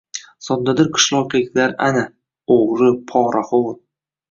Soddadil qishloqliklar ana, o`g`ri, poraxo`r